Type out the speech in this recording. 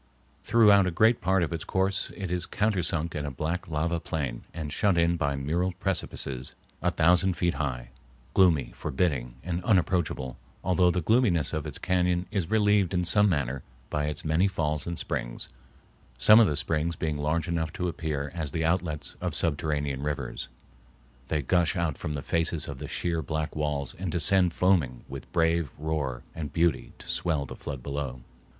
Throughout a great part of its course it is countersunk in a black lava plain and shut in by mural precipices a thousand feet high, gloomy, forbidding, and unapproachable, although the gloominess of its cañon is relieved in some manner by its many falls and springs, some of the springs being large enough to appear as the outlets of subterranean rivers. They gush out from the faces of the sheer black walls and descend foaming with brave roar and beauty to swell the flood below.